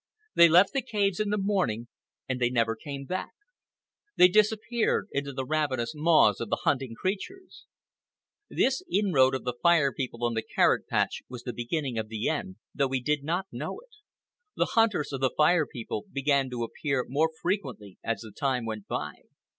They left the caves in the morning, and they never came back. They disappeared—into the ravenous maws of the hunting creatures. This inroad of the Fire People on the carrot patch was the beginning of the end, though we did not know it. The hunters of the Fire People began to appear more frequently as the time went by.